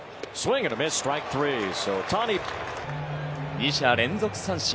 ２者連続三振。